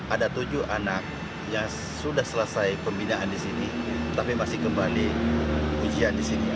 ada tujuh anak yang sudah selesai pembinaan di sini tapi masih kembali ujian di sini